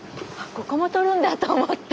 ここも撮るんだと思って。